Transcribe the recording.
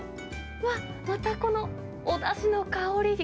うわっ、またこのおだしの香り。